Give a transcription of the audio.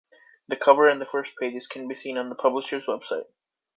The cover and the first pages can be seen on the publisher's website.